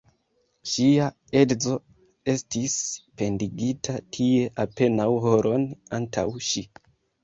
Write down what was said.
Ŝia edzo estis pendigita tie apenaŭ horon antaŭ ŝi.